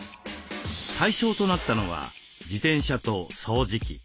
対象となったのは自転車と掃除機。